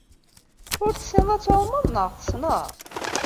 Ur tessineḍ ad tɛumeḍ, neɣ tessneḍ?